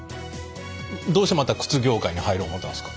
どうしてまた靴業界に入ろう思ったんですか？